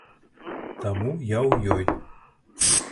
Таму я ў ёй.